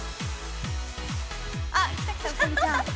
あっ、来た来た、ウサギちゃん。